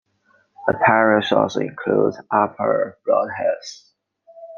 The parish also includes Upper Broadheath.